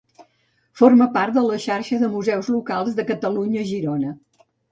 Forma part de la Xarxa de Museus Locals de Catalunya-Girona.